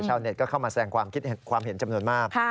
ชาวเน็ตก็เข้ามาแสดงความคิดความเห็นจำนวนมาก